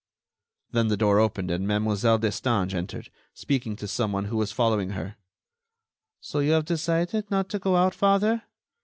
Then the door opened and Mlle. Destange entered, speaking to someone who was following her: "So you have decided not to go out, father?...